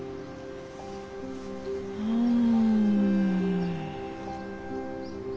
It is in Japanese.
うん。